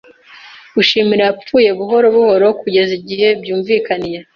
gushimira, yapfuye buhoro buhoro kugeza igihe byumvikanye.